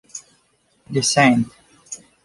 Le Saint